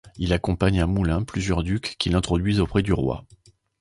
Il accompagne à Moulins plusieurs ducs qui l’introduisent auprès du roi.